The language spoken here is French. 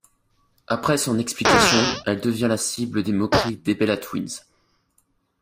Après son explication, elle devient la cible des moqueries des Bella Twins.